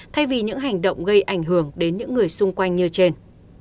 thay vì những hành động gây ảnh hưởng đến những người xung quanh như trên